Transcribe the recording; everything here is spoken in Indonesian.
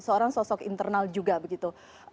seorang sosok internal juga begitu